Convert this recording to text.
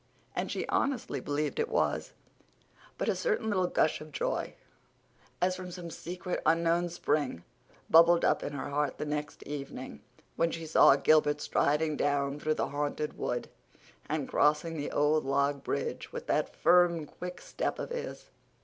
And she honestly believed it was. But a certain little gush of joy, as from some secret, unknown spring, bubbled up in her heart the next evening, when she saw Gilbert striding down through the Haunted Wood and crossing the old log bridge with that firm, quick step of his.